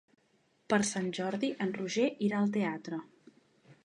Per Sant Jordi en Roger irà al teatre.